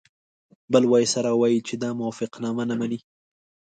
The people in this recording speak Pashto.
بل وایسرا ووایي چې دا موافقتنامه نه مني.